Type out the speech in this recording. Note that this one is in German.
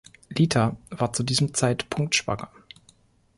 Lita war zu diesem Zeitpunkt schwanger.